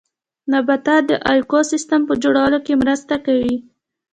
نباتات د ايکوسيستم په جوړولو کې مرسته کوي